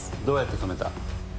どうやって止めた？